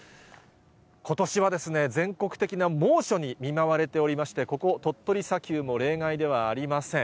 ことしは全国的な猛暑に見舞われておりまして、ここ鳥取砂丘も例外ではありません。